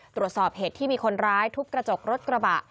ตรวจสอบเหตุที่มีคนร้ายทุบกระจกรถกระบะ